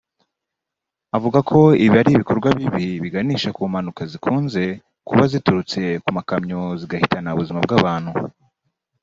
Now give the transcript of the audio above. Avuga ko ibi ari ibikorwa bibi biganisha ku mpanuka zikunze kuba ziturutse ku makamyo zigahitana ubuzima bw’abantu